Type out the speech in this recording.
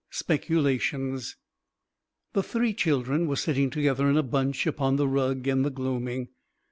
III SPECULATIONS The three children were sitting together in a bunch upon the rug in the gloaming.